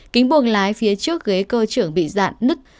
kính buồng lái phía trước ghế cơ trưởng bị dạn nứt